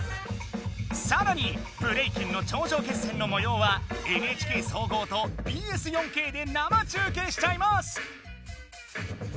さらにブレイキンの頂上決戦のもようはＮＨＫ総合とＢＳ４Ｋで生中継しちゃいます！